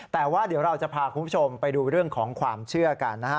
แต่ว่าเดี๋ยวเราจะพาคุณผู้ชมไปดูเรื่องของความเชื่อกันนะฮะ